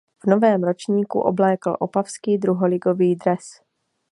V novém ročníku oblékl opavský druholigový dres.